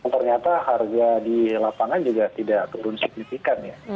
ternyata harga di lapangan juga tidak turun signifikan ya